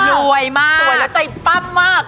รวยมากสวยแล้วใจปั้มมาก